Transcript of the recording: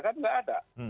kan nggak ada